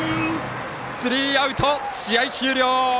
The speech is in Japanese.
スリーアウト、試合終了！